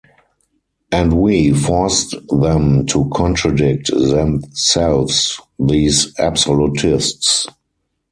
And we forced them to contradict themselves, these absolutists!